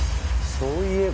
そういえば？